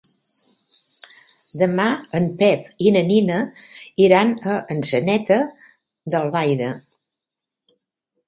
Demà en Pep i na Nina iran a Atzeneta d'Albaida.